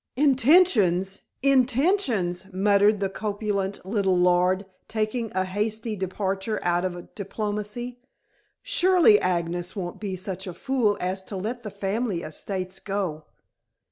"Intentions! Intentions!" muttered the corpulent little lord, taking a hasty departure out of diplomacy. "Surely, Agnes won't be such a fool as to let the family estates go."